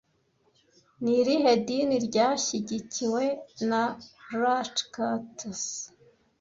Ni irihe dini ryashyigikiwe na Rashtrakutas